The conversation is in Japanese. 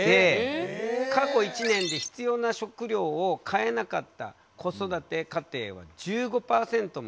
過去１年で必要な食料を買えなかった子育て家庭は１５％もいて。